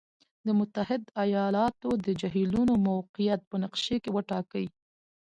د متحد ایالاتو د جهیلونو موقعیت په نقشې کې وټاکئ.